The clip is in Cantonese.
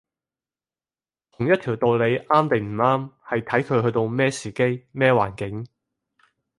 同一條道理啱定唔啱，係睇佢去到咩時機，咩環境